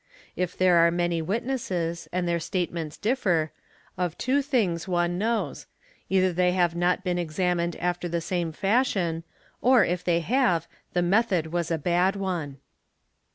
If there a many witnesses and their statements differ, of two things one—eithe they have not been examined after the same fashion or, if they have, t method was a bad one.